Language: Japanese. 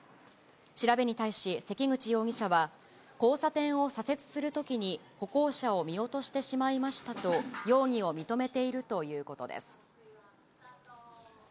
調べに対し、関口容疑者は、交差点を左折するときに、歩行者を見落としてしまいましたと、容疑を認めているということです。